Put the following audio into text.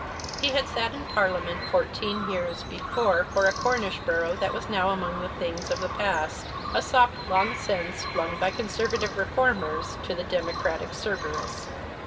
He had sat in Parliament fourteen years before for a Cornish borough that was now among the things of the past, a sop long since flung by Conservative Reformers to the Democratic Cerberus.